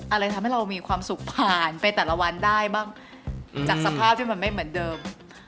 อะไรทำให้เรามีความสุขผ่านไปแต่ละวันได้บ้างจากสภาพที่มันไม่เหมือนเดิม